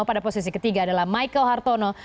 pada posisi ketiga adalah michael hartono